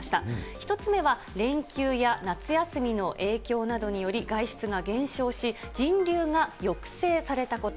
１つ目は連休や夏休みの影響などにより、外出が減少し、人流が抑制されたこと。